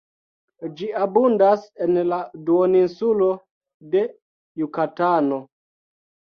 Ĝi abundas en la duoninsulo de Jukatano.